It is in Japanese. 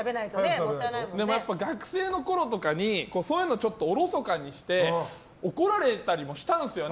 学生のころとかにそういうのをおろそかにして怒られたりもしたんですよね。